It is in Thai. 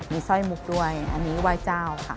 มีสร้อยมุกด้วยอันนี้ไหว้เจ้าค่ะ